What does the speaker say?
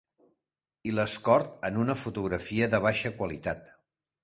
I l'Escort en una fotografia de baixa qualitat.